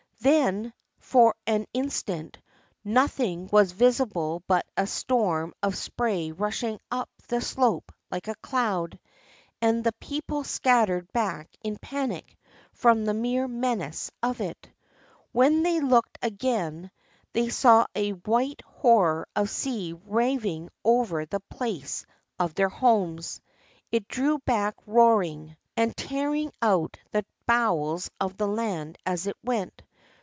Then for an instant no thing was visible but a storm of spray rushing up the slope like a cloud; and the people scattered back in panic from the mere menace of it. When they looked again, they saw a white horror of sea raving over the place of their homes. It drew back roaring, and tearing out the bowels of the land as it went.